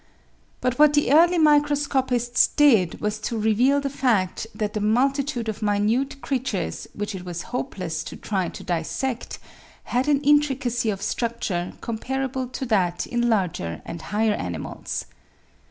But what the early microscopists did was to reveal the fact that the multitude of minute creatures which it was hopeless to try to dissect had an intricacy of structure comparable to that in larger and higher animals.